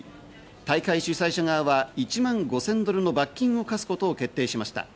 大会主催者側は１万５０００ドルの罰金を科すことを決定しました。